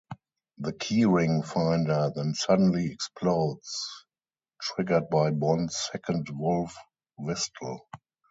The key-ring finder then suddenly explodes, triggered by Bond's second wolf whistle.